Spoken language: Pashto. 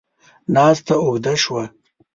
ناسته اوږده شوه.